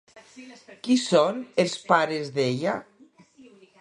Qui són els pares d'ella?